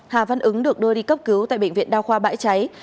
hà văn ứng được đưa đi cấp cứu tại bệnh viện đao khoa bãi cháy